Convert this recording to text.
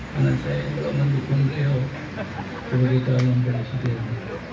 menang saya joko widodo untuk menolong presiden